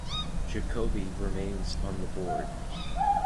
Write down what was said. Jakobi remains on the board.